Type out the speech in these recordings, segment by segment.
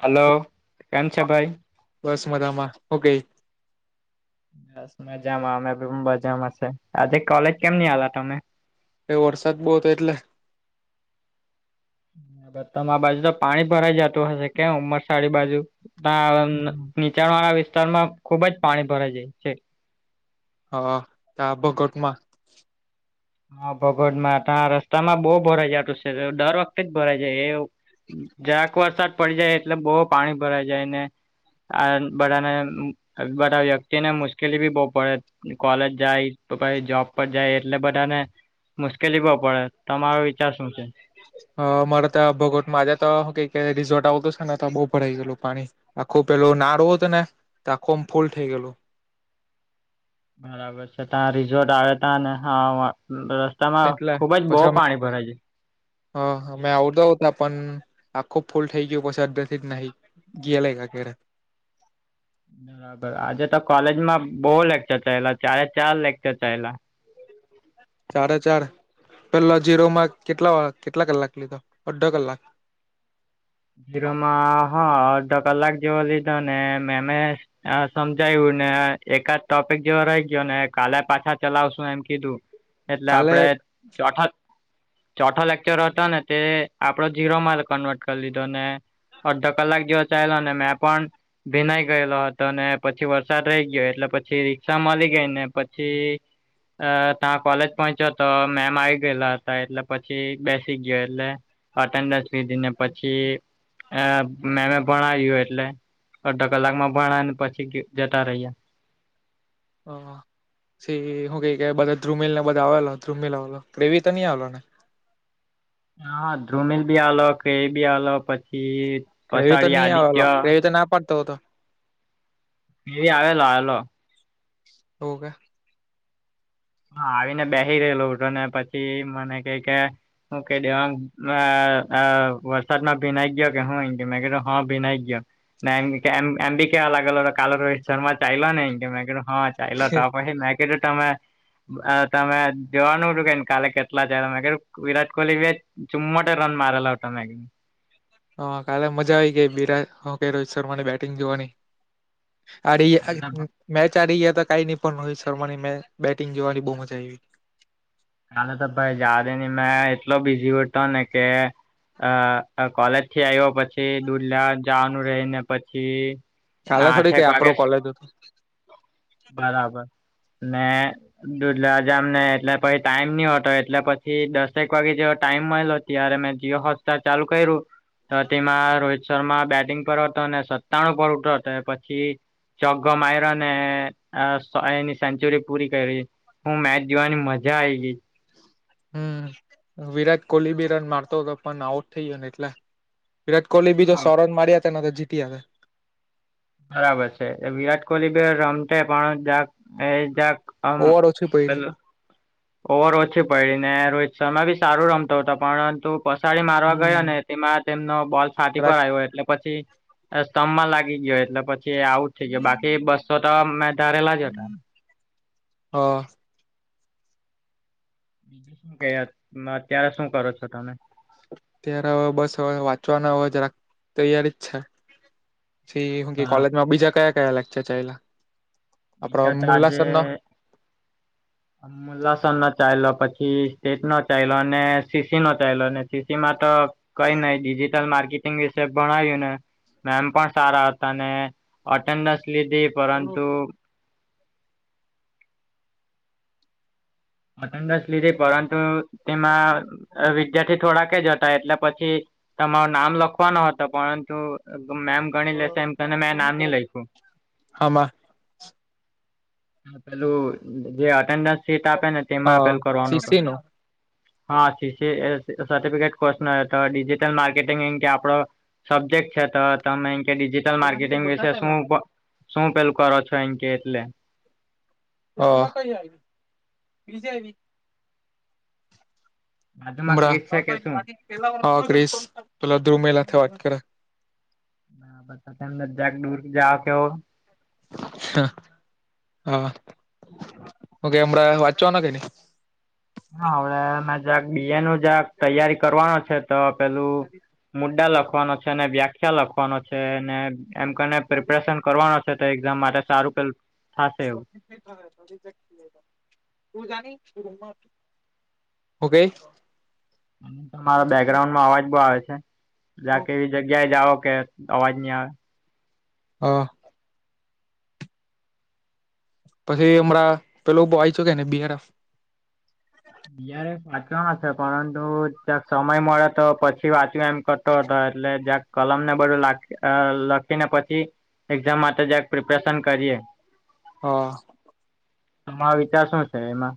હાલો, કેમ છે ભાઈ? બસ મજામાં, હું કેય? બસ મજામાં અમે મજામાંશે. આજે કોલેજ કેમ ની આવેલા તમે? એ વરસાદ બો હતો એટલે. તમારા બાજુ તો પાણી ભરાઈ જતું હશે, કેમ ઉંમરસાડી બાજુ? હમ [unintelligible] નીચાણ વાળા વિસ્તારમાં ખુબજ પાણી ભરાઈ જાય છે. હા, તા બગટમાં. હા, ભગોડમાં ત્યા રસ્તામાં બો ભરાઈ જતું છે, દર વખતે જ ભરાઈ જાય એવ. જરાક વરસાદ પડી જાય એટલે બો પાણી ભરાઈ જાયને. આ બધાને બધા વ્યક્તિને મુશ્કેલી બી બો પડે. કોલેજ જાય તો પછી જોબ પર જાય એટલે બધ બધાને મુશ્કેલી બો પડે, તમારો વિચાર શું છે? અહ મારા ત્યાં ભગવત માં આજે તો કઈ રિસોર્ટ આવતું છે ને તો બો ભરાઈ ગયેલું પાણી આખું પેલું નાડું હતું ને તે આખું આમ ફૂલ થઈ ગયેલું. બરાબર છે, ત્યા રિસોર્ટ આવે તા ને હા વા બસ એટલા પછી અમે અહ અમે આવતા હોતા પણ આખો ફૂલ થઈ ગયું પછી અડધેથી નહીં ગયું ગીલે લાઇગા ઘરે બરાબર. આજે તો કોલેજમાં બો લેકચર થયલા, ચારે ચાર લેકચર થયલા ચારે ચાર, પેલા જીરો માંર્ક કેટલા કેટલા કલાક લીધો, અડધો કલાક? જીરોમાં હા અડધો કલાક જેવો લીધો ને મેમએ અહ સમજાયું ને એકાદ ટોપિક જેવો રહી ગયો ને કાલે પાછા ચલાવશું એમ કીધું એટલે કાલે આપડે ચોઠાક ચોથો લેક્ચર હતો ને તે આપડો જીઝીરો માલ કન્વર્ટ કરી લીધો ને અડધો કલાક જેવો ચાલો અનેને મેં પણ ભીનાઈ ગયેલો હતો ને પછી વરસાદ રહી ગયો એટલે પછી રિકષા માલી ગઈ ને પછી અ ત્યાં કોલેજ પહોંચ્યો તો મેમ આવી ગયેલા હતા એટલે પછી બેસી ગયો એટલે અટેન્ડન્સ લીધી ને પછી અ મે મે ભણાવ્યું, એટલે અડધા કલાક માં ભણને પછી જતા રહી્યા. હ સી હું કઈ કે બધા ધ્રુમિલ ને બધા આવેલો ધ્રુમિલ આવેલો પ્રેમ તો નહી આવેલો ને? હા ધ્રુમિલ બી આલો કે એ બી આલો પછી ગ્રેવી તો પસાડી નહી આવે આદિત્ય ગ્રેવી તો ના પાડતો હોતો. એવી આવેલો આવેલો. હતો કે? હા આવીને બેસી રહેલો ઉઠો ને પછી મને ક કે હું કહી દે વરસાદમાં ભીનાઈ ગયો કે હું અહી ગ મેં કધ હા ભીનાઈ ગયો. ના એમ એમીવબી અલગ અલ કાલ રોહિત શર્મા ચાલ ને કે હા ચાલા તપછ નાકેટ તમે તમે જોવાનું હતું કેને કાલે કેટલા છે ત ક વિરાટ કોહલી ચુમ્મોતેર રન મારેલા તમે. હા કાલે મજા આવી ગઈ બિરાટ કે રોહિત શર્મા ની બેટિંગ જોવાની અરે કાલે તો મેચ આરી ગયા હતા કાઈ નહીં પણ રોહિત શર્માની મે બેટિંગ જોવાની બહુ મજા આવી કાલે તો ભાઈ જાવાદેની મેં એટલો બીઝી હતો ને કે અ કોલેજ થી આવ્યો પછી દુરલા જવાનું રહીને પછી કાલે થોડી આઠેક કઈ આપડો વાગે કોલેજ હતું બરાબર ને દુધલા જામ ને એટલે પછી ટાઈમ નહતો એટલે પછી દસેક વાગે જેવ ટાઈમ મળેલો ત્યારે મેં જીઓ હોટસ્ટાર ચાલુ કર્યું તો તેમાં રોહિત શર્મા બેટિંગ પર હતો અને સત્તાણું પર હતો પછી ચોગ્ગો માયરો ને આ સો એની સેન્ચુરી પૂરી કરી, હું મેચ જોવાની મજા આઈ ગઈ. હમ, વિરાટ કોહલી બી રન મારતો તો, પણ આઉટ થઈ ગયોને એટલે. વિરાટ કોહલી બી તો સોરન મારી્યા હતાને તો જીતીયા બરાબર છે વિરાટ કોહલી બ રમતે પણ જક એ જાક ઓવર ઓછી પૈડી ઓવર ઓછી પૈડી ને રોહિત શર્મા બી સારું રમતોતો પરંતુ પસાડી મારવા ગયો હમ ને તેમાં તેમનો બોલ ફાટી પર જરાક આવ્યો એટલે પછી સ્તંભમાં લાગી ગયો એટલે પછી આઉટ થઈ ગયો બાકી બસો તો મેં ધારે લજ્યો ત હા કે અત્યારે શું કરો છો તમે? ત્યારે હવે બસ હવે વાંચવાના હવે જરાક તૈયારી જ છે. કે કોલેજમાં બીજા કયા કયા લેક્ચર ચાયલા આપણે બીજા તો મુલ્લાસરનો [inaudible] [unintelligible] લસનનો ચાયલો, પછી સ્ટેટનો ચાયલો ને, સીસીનો ચાયલો ને સીસીમાં તો કઈ નઈ ડિજિટલ માર્કેટિંગ વી સે ભણાયુંને મેમ પણ સારા હતા, ને અટેન્ડસ લીધી પરંતુ અટેન્ડન્સ લીધી, પરંતુ તેમાં અ વિદ્યાર થી થોડાક જ હતા, એટલે પછી તમારું નામ લખવાનો હતો પરંતુ મેમ ગણી લેશે એમ તને મેં નામ ની લઈખું. હામાં? પેલું જે અટેન્ડન્સ સીટ આપેને તેમાં આ પેલું કરવાનું હતું. હા, સીસી એ સર્ટિફિકેટ કોસ ને તો ડિજિટલ માર્કેટિંગ એમ‌ કે આપડો સબ્જેક્ટ છે તો તમે ઈન કે ડિજિટલ માર્કેટિંગ વિશે શું પ શું પેલું કરો છો ઈન કે એટલે. અ, આ કઈ આઈવી બીજે આઈવી? બાજુમાં મ્ર ક્રિસ છે કે શું? હ ક્રિસ પેલા દ્રુમેલ હાથે વાત કરે. હન, બધા તમ બધા દૂર જાઓ કેવો. હન, હા કે હવે હમણાં વાંચવાનો કે નઈ? હા, હવે મે જરાક બીએનું જરાક તૈયારી કરવાનું છે, તો પેલું મુદ્દા લખવાનો છે ને વ્યાખ્યા લખ વાનો છે ને, એમ કરીને પ્રિપરેશન કરવાનો છે તો એક્ઝામ માટે સારું પેલુ [unintelligible] હું કેઈ? તમારા બેકગ્રાઉન્ડમાં અવાજ બઉ આવે છે, જા કે જગ્યાએ જાઓ કે અવાજ ની આવે. હા. પછી હમણાં પેલું બોઈ છુ કેને બિઆરએફ બીઆરએફ વાંચવાના છે, પરંતુ ક્યાંક સમય મળે તો પછ થી વાંચ્યું એમ કરતો હતો, એટલે જયા કલમને બધું લાખ અ લખીને પછી એક્ઝામ માટે જરાક પ્રિપરેશન કરીએ. હા. તમારો વિચાર શું છે એમાં?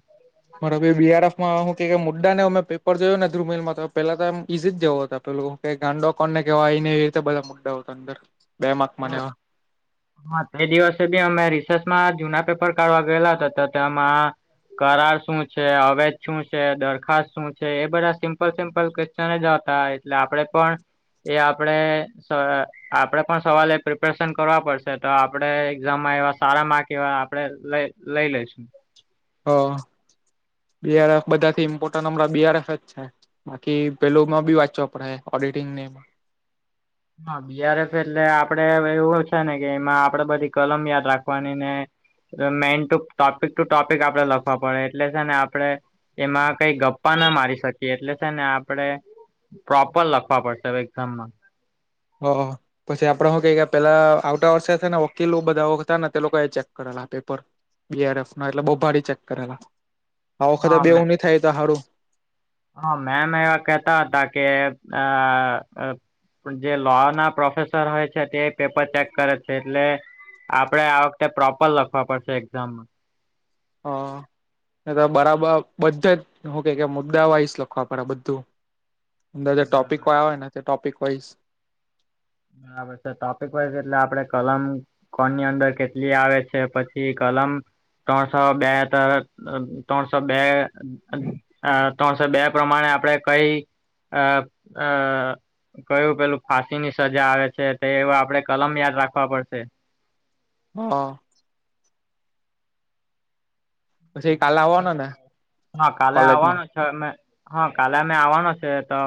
બરાબર, બીઆરએફમાં હું કે, કે મુદ્દાને અમે પેપર જોયુ ને ધ્રુમિલમાં તો પેલા તો એમ ઈઝી જ જેવો હતો, પેલો કે ગાંડો કોને કેવાય એને એવી રીતે બધા મુદ્દાઓ હતા અંદર, બે માક માંને આ હા, તે દિવસે બી અમે રિસર્ચમાં જુના પેપર કાઢવા ગયેલા તો તો તેમાં કરાર શું છે? અવેજ શું છે? દરખાસ્ત શું છે? એ બધા સિમ્પલ સિમ્પલ છે ને જતા એટલે આપડે પણ એ આપડે સ આપડે પણ સવાલે પ્રિપરેશન કરવા પડશે. તો તે આપડે એક્ઝામમાં એવા સારા માર્ક એવા આપડે લઈ લઈશું. હો બીઆરએફ બધાથી ઈમ્પોર્ટન્ટ હમણાં બીઆરએફ જ છે. બાકી પેલુમાં બી વાંચવા પડહે, ઓડિટિંગને. હા, બીઆરએફ એટલે આપડે એવું છે ને કે એમાં આપડે બધી કલમ યાદ રાખવાની ને હવે main two topic two topic આપડે લખવા પડે એટલે છે ને આપડે એમાં કઈ ગપ્પા ના મારી શકીએ એટલે છે ને આપડે પ્રોપર લખવા પડશે હવે એક્ઝામમાં. હો હો હો. પસી આપડે હુ કેય કે પેલા આવતા વર્ષે છે ને વકીલો બધા હતા ને, તે લોકો એ ચેક કરેલા પેપર. બીઆરફના એટલે બઉ ભારી ચેક કરેલા. આ વખતે હા બી મે એવુ ની થાય તો હારું. હા, મેમ એવા કેતા હતા કે આ અ પણ જે લો ના પ્રોફેસર હોય છે તે પેપર ચેક કરે છે એટલે આપડે આ વખતે પ્રોપર લખવા પડશે એક્ઝામમાં. હા. તો બરાબર બધેજ હું કે મુદ્દા વાઈસ લખવા પડે બધું. અંદર જે બરાબર ટોપિક વાયા હોય ને તે ટોપિક વાઈસ ને પછે ટોપિક વાઈઝ એટલે આપડે કલમ કોણની અંદર કેટલી આવે છે પછી કલમ. ત્રણસો બે હતા ત્રણસો બે. અ ત્રણસો બે પ્રમાણે આપણે કઈ આ અ કયું પેલું ફાંસી ની સજા આવે છે તો એવા આપડે કલમ યાદ રાખવા પડશે. હા. પછી કાલે આવવાનો ને હા કાલે કોલેજમાં આવવાનું. હા મેં હા કાલે અમે આવવાનો છે તો.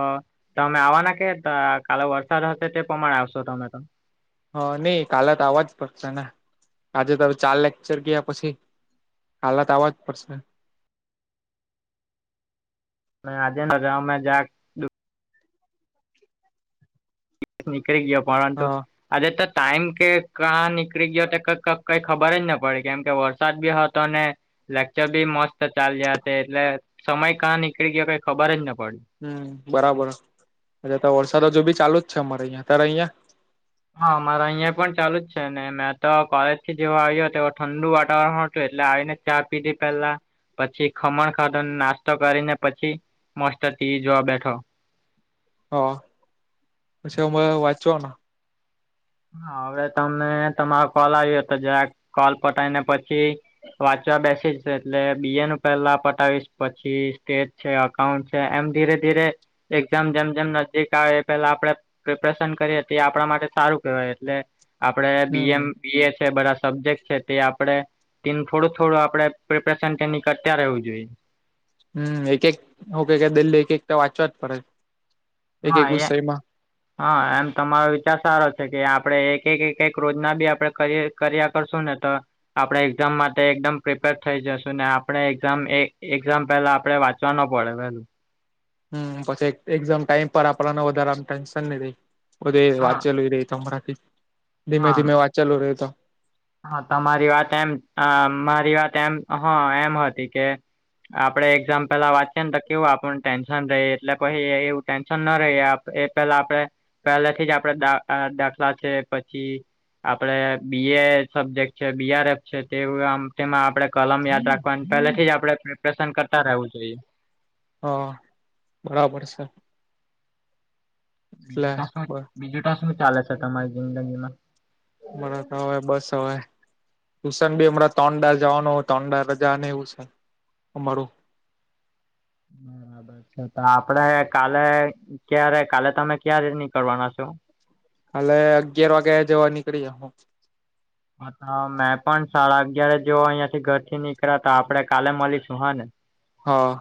તમે આવવાના કેતા કાલે વરસાદ હશે તે પ્રમાણે આવશો તમે તો. હા નઈ કાલે તો આવવાજ પડશે ને આજે તમે ચાર લેકચર ગયા પછી. કાલે તો આવા જ પડશે. મે આજે ન મેં જા નિકળી ગયો પરંતુ હા આજે તો ટાઈમ કે ક નીકળી ગયો તો ક કઈ ખબર જ ન પડી કેમ કે વરસાદ બી હતો ને. લેકચર બી મસ્ત ચાલ્યા તે એટલે સમય કાં નીકળી ગયો કઈ ખબર જ ન પડી. હમ બરાબર વરસાદજુ બી ચાલુ જ છે અમારે અહિયાં ત્યારે અહિયાં હા મારા અહિયાં પણ ચાલુ જ છે ને મેં તો કોલેજ થી જેવો આવ્યો તેવ ઠંડુ વાતાવરણ હતું એટલે આવીને. ચા પીઘી પહેલા. પછી ખમણ ખાતો નાસ્તો કરીને પછી મસ્ત ટી જોવા બેઠો. હ પછી હ વાંચોને હવે તને તમારો કોલ આવ્યો હતો જ કોલ પટીને પછી. વાંચવા બેસી જ એટલે બી એ નું પેલા પતાવીશ પછી સ્ટેજ છે. અઉન્ટ છે એમ ધીરે ધીરે એક્ઝામ જેમ જેમ નજદિક આવે એ પેલા આપણે પ્રિપરેશન કરી હતી આપણા માટે સારું. એટલે આપડે બીએમ હમ બી એ છે બધા સબ્જેક્ટ છે તે આપડે તેનું થોડું થોડું આપડે પ્રિપરેશન તેની કરતા રહેવું જોઈએ. હમ એક એક ઓકે ક દિલ્હી એક એક તો વાચવા જ પડે એક હા એક એ વિષયમાં હા એમ તમારો વિચાર સારો છે કે આપડે એક એક એક એક રોજના બી આપડે કરીએ. કર્યા કરશો ને તો. આપણે એક્ઝામ માટે એકદમ પ્રિપેર થઈ જશું ને આપણે એક્ઝામ એક્ઝામ પહેલા આપણે વા ચ નો પડે વેલ હમ પછી એક્ઝામ ટાઈમ પર આપણાને વધારેા ટેન્શન નહી થઇ. બધી હા વાં ચલું રહી તો અરાથી ધીમે હા ધીમે વાં ચેાલું રહ્યો તો. હા તમારી વાત એમ મારી વાત એમ હા એમ હતી કે. આપડણે એક્ઝામ પેલા વાંચીએ ને તો કેવું આપણ ટેન્શન રહીએ એટલે પછી એવું ટેન્શન ના રહી આપ એ પેલા આપણે પહેલા થી જ આપડેા દાખલા છે પછી. આપડે બી એ સબ્જેક્ટ છે બીઆરએફ છે તે તેમાં આપડણે કલમ યાદ રાખવાની પહેલેથી જ આપડણે. પસંદ કરતા રહેવું જોઈએ. હા બરાબર છે. [unintelligible] એટલે બીજું શ બીજું શું ચાલે છે તમારી જીંગંગીમાં મને તો હવે બસ અવે. ટુશન બી હમં તોંડા જવાનું હોય તોંડા રજા એવું છે અમારું. બરાબર. અ્ તો આપડે કાલે ક્યારે કાલે તમે ક્યારે રી ની કરવાના છો. હાલે અગિયાર વાગ્યા જવા નીકળી હું. હ મેં પણ સાડા અગિયાર જો અહિયાં થી ઘર થી નીકળ્યા તો આપડે કાલે મળીશું હા ને. હા.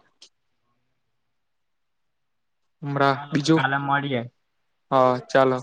હમરા ચાલો તો બીજું કાલે મળીએ હા ચાલો.